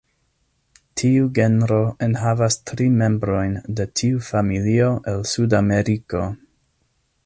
Tiu genro enhavas tri membrojn de tiu familio el Sudameriko.